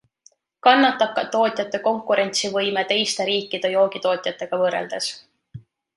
Kannatab ka tootjate konkurentsivõime teiste riikide joogitootjatega võrreldes.